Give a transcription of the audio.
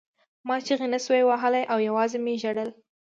ما چیغې نشوې وهلی او یوازې مې ژړل